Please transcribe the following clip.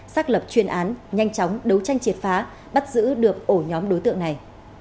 xác lập chuyên án nhanh chóng đấu tranh triệt phá bắt giữ được ổ nhóm đối tượng này